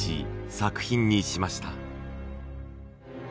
作品にしました。